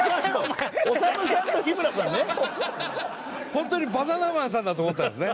ホントにバナナマンさんだと思ったんですね。